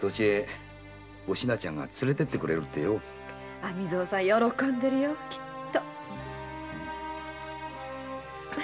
網蔵さん喜んでるよきっと。